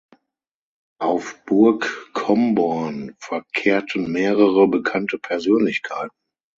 Auf Burg Comborn verkehrten mehrere bekannte Persönlichkeiten.